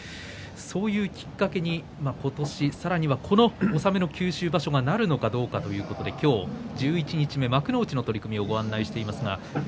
そういうきっかけに今年、さらにはこの納めの九州場所がなるのかということで今日十一日目幕内の取組をご案内しています。